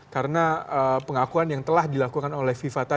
karena pengakuan yang telah dilakukan oleh fifa